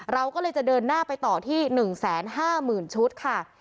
เราก็เลยจะเดินหน้าไปต่อที่๑๕๐๐๐ชุดค่ะ